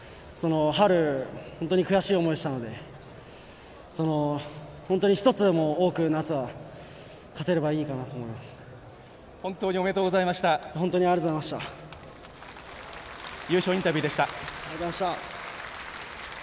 春、本当に悔しい思いをしたので本当に１つでも多く夏は勝てればいいかなと本当に本当に優勝インタビューでした。